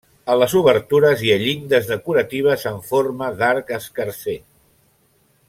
A les obertures hi ha llindes decoratives en forma d'arc escarser.